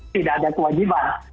tidak ada kewajiban